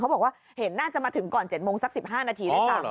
บอกว่าเห็นน่าจะมาถึงก่อน๗โมงสัก๑๕นาทีด้วยซ้ำ